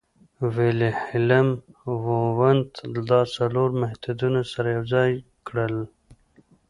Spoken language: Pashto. ویلهیلم وونت دا څلور مېتودونه سره یوځای کړل